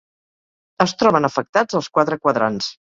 Es troben afectats els quatre quadrants.